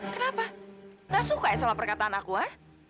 kenapa nggak suka ya sama perkataan aku ha